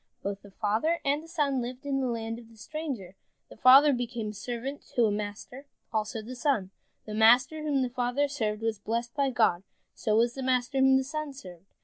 Both the father and the son lived in the land of the stranger. The father became a servant to a master, also the son. The master whom the father served was blessed by God, so was the master whom the son served.